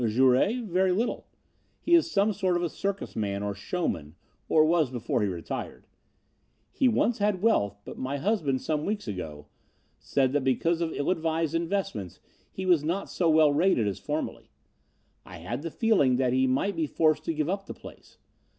"Jouret? Very little. He is some sort of a circus man or showman, or was before he retired. He once had wealth, but my husband, some weeks ago, said that because of ill advised investments he was not so well rated as formerly. I had the feeling that he might be forced to give up the place.